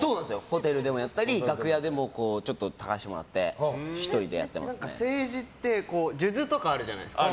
ホテルでもやったり、楽屋でもちょっとたかせてもらってセージって数珠とかあるじゃないですか。